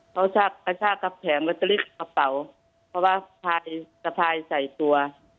เขากระชากกระแผงรอตเตอรี่กับกระเป๋าเพราะว่ากระพายใส่ตัว